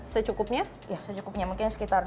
secukupnya ya secukupnya mungkin sekitar